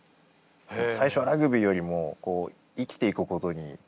最初はラグビーよりも生きていくことに必死でしたね。